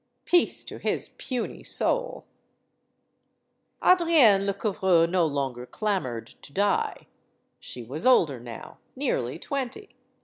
Peace to his puny soull Adrienne Lecouvreur no longer clamored to die. She was older now nearly twenty.